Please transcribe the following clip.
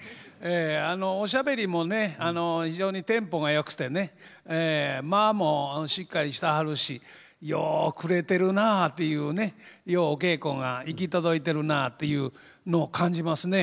ええあのおしゃべりもねあの非常にテンポがよくてねえ間ぁもしっかりしたはるしよう繰れてるなあっていうねようお稽古が行き届いてるなあというのを感じますね。